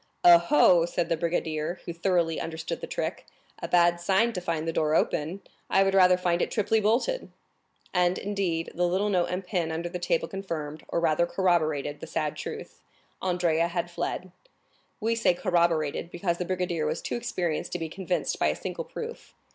"Oh, oh," said the brigadier, who thoroughly understood the trick; "a bad sign to find the door open! I would rather find it triply bolted." And, indeed, the little note and pin upon the table confirmed, or rather corroborated, the sad truth. Andrea had fled. We say corroborated, because the brigadier was too experienced to be convinced by a single proof.